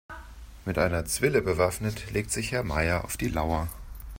Mit einer Zwille bewaffnet legt sich Herr Meier auf die Lauer.